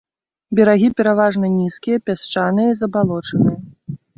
Берагі пераважна нізкія, пясчаныя і забалочаныя.